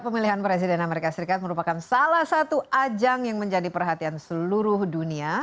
pemilihan presiden amerika serikat merupakan salah satu ajang yang menjadi perhatian seluruh dunia